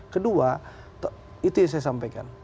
kedua itu yang saya sampaikan